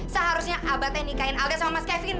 seharusnya abah nikahin alda sama mas kevin